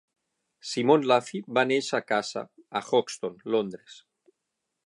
Simon Laffy va néixer a casa, a Hoxton (Londres).